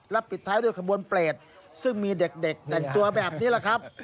และปิดท้ายด้วยขบวนเปรตซึ่งมีเด็กแต่งตัวแบบนี้แหละครับ